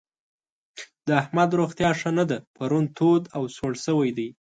د احمد روغتيا ښه نه ده؛ پرون تود او سوړ شوی دی.